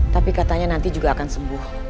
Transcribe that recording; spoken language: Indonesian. tapi katanya nanti juga akan sembuh